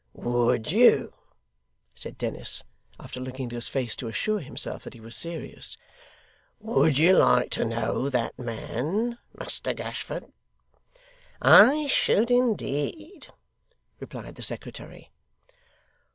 'Would you?' said Dennis, after looking at his face to assure himself that he was serious. 'Would you like to know that man, Muster Gashford?' 'I should indeed,' replied the secretary.